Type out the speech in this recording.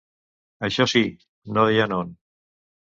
Això sí: no deien on.